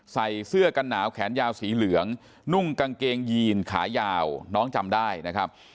ใส่เสื้อกันหนาวแขนยาวสีเหลืองนุ่งกางเกงยีนขายาวน้องจำได้นะครับ